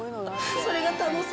それが楽しみで。